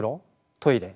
トイレ？